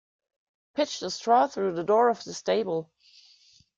Pitch the straw through the door of the stable.